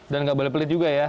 dan nggak boleh pelit juga ya